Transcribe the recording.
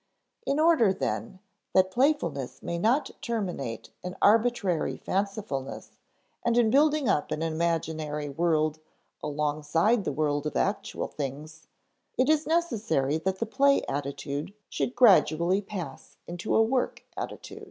In order, then, that playfulness may not terminate in arbitrary fancifulness and in building up an imaginary world alongside the world of actual things, it is necessary that the play attitude should gradually pass into a work attitude.